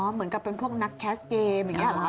เหมือนกับเป็นพวกนักแคสเกมอย่างนี้หรอ